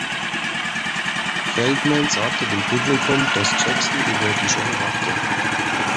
Feldman sagte dem Publikum, dass Jackson über die Show wachte.